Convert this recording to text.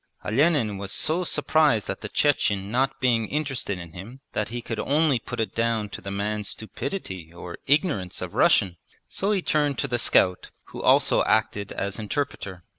Olenin was so surprised at the Chechen not being interested in him that he could only put it down to the man's stupidity or ignorance of Russian; so he turned to the scout, who also acted as interpreter.